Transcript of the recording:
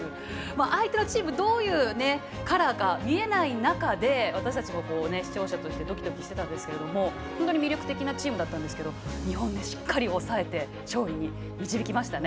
相手のチームどういうカラーか見えない中で私たちも視聴者としてドキドキしてたんですけども本当に魅力的なチームだったんですけど日本、しっかり抑えて勝利に導きましたね。